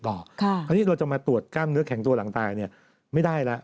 ตอนนี้เราจะมาตรวจกล้ามเนื้อแข็งตัวหลังตายไม่ได้แล้ว